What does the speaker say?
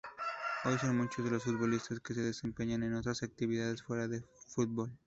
Hoy son muchos los futbolistas que se desempeñan en otras actividades fuera del fútbol.